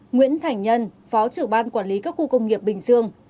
nguyễn thành nhân phó trưởng ban quản lý các khu công nghiệp bình dương